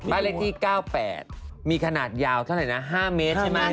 บ้านเลขที่๙๘มีขนาดยาวเท่าไหร่นะ๕เมตรใช่ไหม